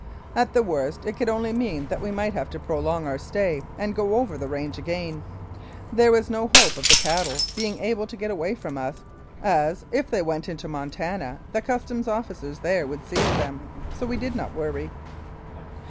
At the worst it could only mean that we might have to prolong our stay and go over the range again. There was no hope of the cattle being able to get away from us, as if they went into Montana the Customs officers there would seize them, so we did not worry.